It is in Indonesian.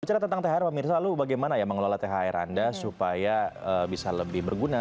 bicara tentang thr pemirsa lalu bagaimana ya mengelola thr anda supaya bisa lebih berguna